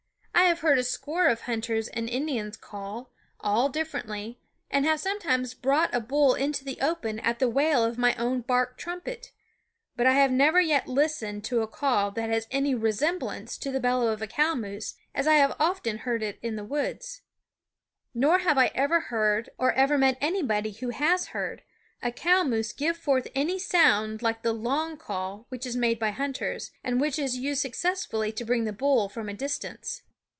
I have heard a score of hunters and Indians call, all THE WOODS differently, and have sometimes brought a bull into the open at the wail of my own bark trumpet ; but I have never yet listened to a call that has any resemblance to the SIflheSoundof bellow of a cow moose as I have often heard it in the woods. Nor have I ever heard, or ever met anybody who has heard, a cow moose give forth any sound like the "long call " which is made by hunters, and which is used successfully to bring the bull from a distance.